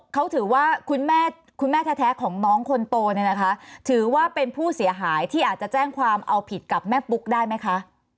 เขาถือว่าคุณแม่คุณแม่แท้ของน้องคนโตเนี่ยนะคะถือว่าเป็นผู้เสียหายที่อาจจะแจ้งความเอาผิดกับแม่ปุ๊กได้ไหมคะ